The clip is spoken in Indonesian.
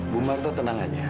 bumarta tenang aja